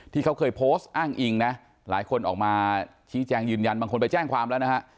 ที่เขาเคยโพสต์อ้างอิงนะหลายคนออกมาชี้แจงยืนยันบางคนไปแจ้งความแล้วนะฮะ